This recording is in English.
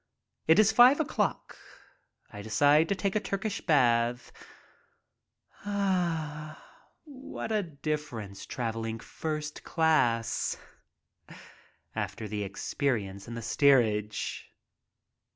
It is five o'clock. I decide to take a Turkish bath^ Ah, what a difference traveling first class after the experience in the steerage!